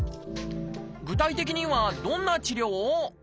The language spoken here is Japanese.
具体的にはどんな治療？